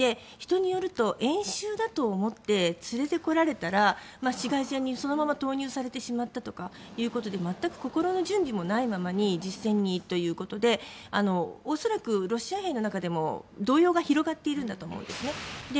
人によると演習だと思って連れて来られたら市街戦にそのまま投入されてしまったとか全く心の準備もないままに実戦にということで恐らく、ロシア兵の中でも動揺が広がっているんだと思うんです。